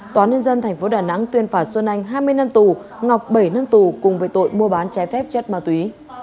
tòa nhân dân tp đà nẵng tuyên phạt xuân anh hai mươi năm tù ngọc bảy năm tù cùng với tội mua bán trái phép chất ma túy